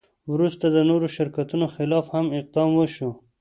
وروسته د نورو شرکتونو خلاف هم اقدام وشو.